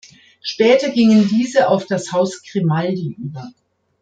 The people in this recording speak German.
Später gingen diese auf das Haus Grimaldi über.